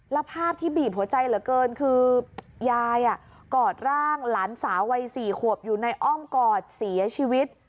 แล้วภาพที่บีบหัวใจเหลือเกินคือยายกอดร่างหลานสาววัย๔ขวบอยู่ในอ้อมกอดเสียชีวิต